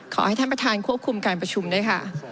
ขอให้ท่านประธานควบคุมการประชุมด้วยค่ะ